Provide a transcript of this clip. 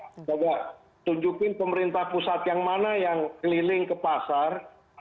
coba tunjukin pemerintah pusat yang mana yang keliling ke pasar